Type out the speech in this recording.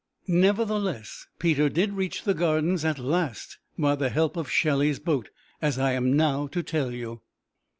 Nevertheless, Peter did reach the Gardens at last by the help of Shelley's boat, as I am now to tell you.